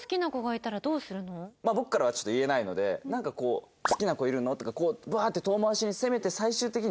まあ僕からはちょっと言えないのでなんかこう「好きな子いるの？」とかバーッて遠回しに攻めて。